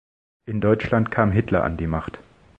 In Deutschland kam Hitler an die Macht.